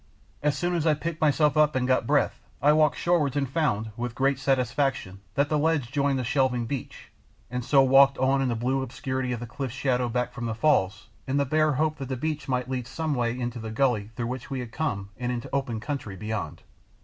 As soon as I picked myself up and got breath, I walked shorewards and found, with great satisfaction, that the ledge joined the shelving beach, and so walked on in the blue obscurity of the cliff shadow back from the falls in the bare hope that the beach might lead by some way into the gully through which we had come and open country beyond.